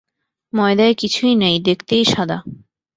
ময়দায় কিছুই নাই, দেখতেই সাদা।